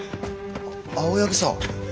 青柳さん。